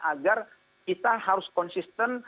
agar kita harus konsisten